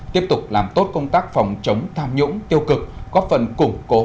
tiếp tục làm tốt công tác phòng chống tham nhũng tiêu cực góp phần củng cố